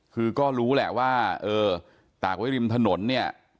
คือก็รู้แหละว่าเออตากไว้ริมถนนเนี่ย